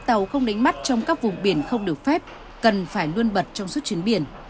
tàu không đánh mắt trong các vùng biển không được phép cần phải luôn bật trong suốt chuyến biển